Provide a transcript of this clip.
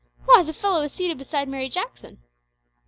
"Why, the fellow is seated beside Mary Jackson!"